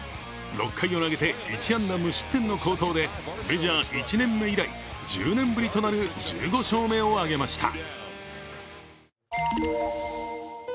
６回を投げて１安打無失点の好投でメジャー１年目以来１０年ぶりとなる１５勝目を挙げました。